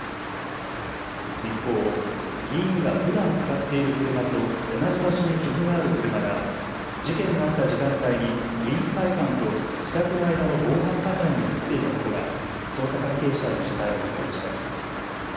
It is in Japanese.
一方、議員がふだん使っている車と同じ場所に傷がある車が事件があった時間帯に議員会館と自宅の間の防犯カメラに写っていたことが捜査関係者への取材で分かりました。